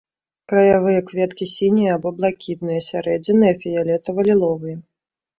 Краявыя кветкі сінія або блакітныя, сярэдзінныя фіялетава-ліловыя.